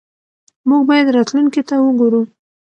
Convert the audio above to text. موږ باید راتلونکي ته وګورو.